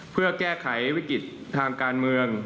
เพื่อแก้ไขวิกฤติทางการเมือง